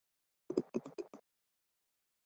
郭道甫人。